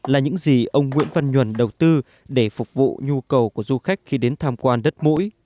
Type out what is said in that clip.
là những gì ông nguyễn văn nhuần đầu tư để phục vụ nhu cầu của du khách khi đến tham quan đất mũi